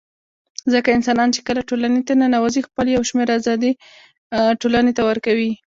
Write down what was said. ځکه انسانان چي کله ټولني ته ننوزي خپل يو شمېر آزادۍ ټولني ته ورکوي